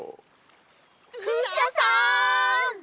クシャさん！